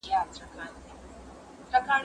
زه اوږده وخت درسونه اورم وم